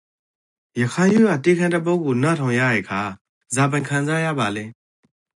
ရခိုင်ရိုးရာတေးခြင်းတစ်ပုဒ်ကိုနားထောင်ရရေခါဇာပိုင် ခံစားရပါလဲ?